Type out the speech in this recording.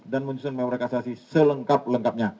dan menyusun memori kasasi selengkap lengkapnya